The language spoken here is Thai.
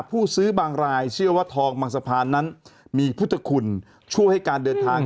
ผู้ซื้อบางรายเชื่อว่าทองบางสะพานนั้นมีพุทธคุณช่วยให้การเดินทาง